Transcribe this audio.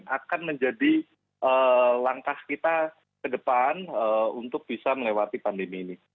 akan menjadi langkah kita ke depan untuk bisa melewati pandemi ini